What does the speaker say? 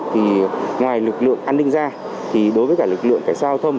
thì ngoài lực lượng an ninh ra thì đối với cả lực lượng cảnh sát giao thông